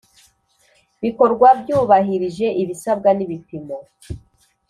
bikorwa byubahirije ibisabwa n ibipimo